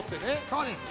そうです。